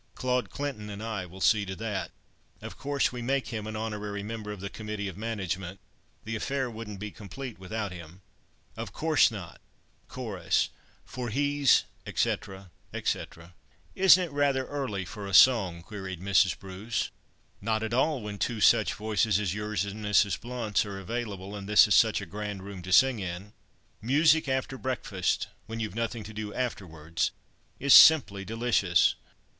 Claude Clinton and I will see to that. Of course we make him an honorary member of the committee of management. The affair wouldn't be complete without him." "Of course not. (Chorus) 'For he's etc. etc.'" "Isn't it rather early for a song?" queried Mrs. Bruce. "Not at all, when two such voices as yours and Mrs. Blount's are available, and this is such a grand room to sing in. Music after breakfast—when you've nothing to do afterwards, is simply delicious."